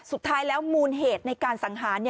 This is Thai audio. สุดท้ายแล้วมูลเหตุในการสังหาร